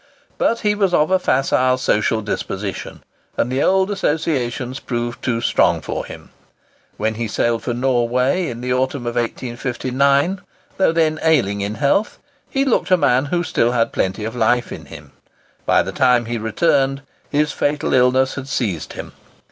But he was of a facile, social disposition, and the old associations proved too strong for him. When he sailed for Norway, in the autumn of 1859, though then ailing in health, he looked a man who had still plenty of life in him. By the time he returned, his fatal illness had seized him.